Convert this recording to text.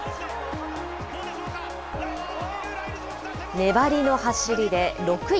粘りの走りで６位。